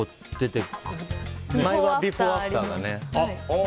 ビフォーアフターがね。